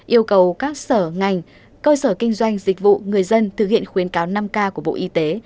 yêu cầu các sở ngành cơ sở kinh doanh dịch vụ người dân thực hiện khuyến cáo năm k của bộ y tế